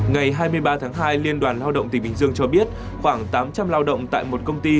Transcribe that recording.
ngày hai mươi ba tháng hai liên đoàn lao động tỉnh bình dương cho biết khoảng tám trăm linh lao động tại một công ty